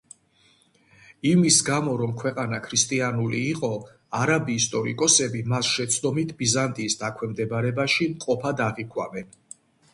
იმის გამო, რომ ქვეყანა ქრისტიანული იყო არაბი ისტორიკოსები მას შეცდომით ბიზანტიის დაქვემდებარებაში მყოფად აღიქვამენ.